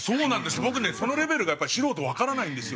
僕ねそのレベルがやっぱ素人わからないんですよ。